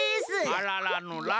あららのら。